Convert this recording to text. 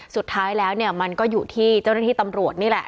สุดท้ายแล้วเนี่ยมันก็อยู่ที่เจ้าหน้าที่ตำรวจนี่แหละ